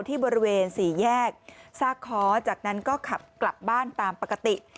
ที่บริเวณสี่แยกซากค้อจากนั้นก็ขับกลับบ้านตามปกติ